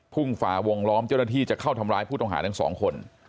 ฝาวงล้อมเจ้าหน้าที่จะเข้าทำร้ายผู้ต้องหาทั้งสองคน